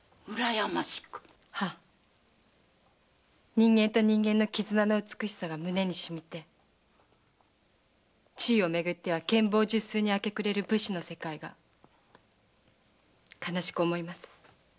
人間と人間の絆の美しさが胸にしみて地位をめぐって権謀術数に明け暮れる武士の世界が悲しく思います。